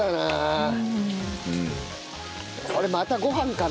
これまたご飯かな。